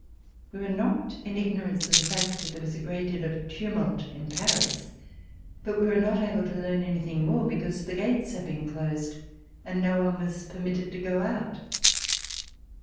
We were not in ignorance of the fact that there was a great deal of tumult in Paris; but we were not able to learn anything more, be cause the gates had been closed and no one was permitted to go out.